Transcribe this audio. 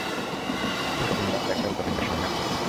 উল্কাপিন্ড, আমরা একটা উল্কাপিন্ডের সন্ধান পেয়েছি!